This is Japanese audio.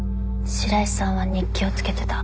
白井さんは日記をつけてた。